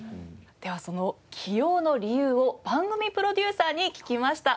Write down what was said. ではその起用の理由を番組プロデューサーに聞きました。